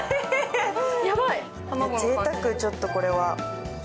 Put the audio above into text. ぜいたく、ちょっとこれは。